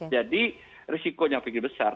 jadi risikonya lebih besar